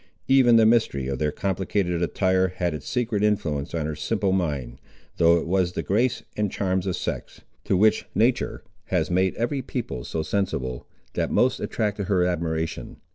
Even the mystery of their complicated attire had its secret influence on her simple mind, though it was the grace and charms of sex, to which nature has made every people so sensible, that most attracted her admiration.